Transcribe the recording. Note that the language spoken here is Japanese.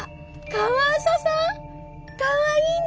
かわいいね！